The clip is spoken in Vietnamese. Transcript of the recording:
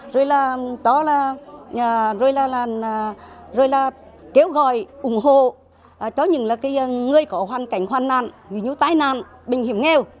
rồi là kêu gọi ủng hộ cho những người có hoàn cảnh hoàn nạn như như tai nạn bệnh hiểm nghèo